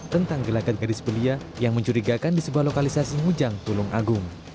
tentang gerakan gadis belia yang mencurigakan di sebuah lokalisasi ngujang tulung agung